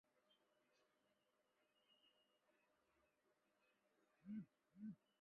加里宁格勒州的气候已由海洋性气候向温带大陆性气候逐渐过渡。